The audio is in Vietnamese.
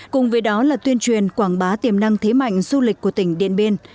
cùng với đó là tuyên truyền quảng bá tiềm năng thế mạnh du lịch của tỉnh điện biên